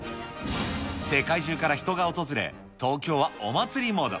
世界中から人が訪れ、東京はお祭りモード。